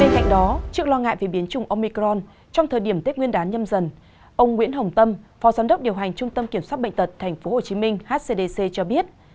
hãy đăng ký kênh để ủng hộ kênh của chúng mình nhé